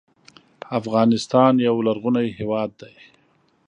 افغانستان یو لرغونی هېواد دی.